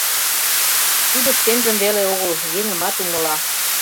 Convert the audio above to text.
Тудо шкенжым веле огыл, еҥымат умыла».